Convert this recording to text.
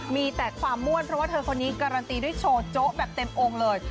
มีแต่ความม่วนเพราะว่าเธอคนนี้การันตีด้วยโชว์โจ๊ะแบบเต็มองค์เลย